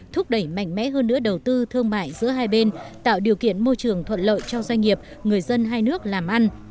thúc đẩy mạnh mẽ hơn nữa đầu tư thương mại giữa hai bên tạo điều kiện môi trường thuận lợi cho doanh nghiệp người dân hai nước làm ăn